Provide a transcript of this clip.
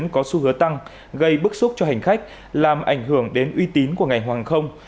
cục hàng không có su hứa tăng gây bức xúc cho hành khách làm ảnh hưởng đến uy tín của ngành hoàng không